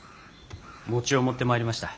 餅を持ってまいりました。